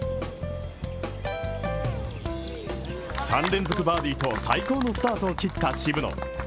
３連続バーディーと最高のスタートを切った渋野。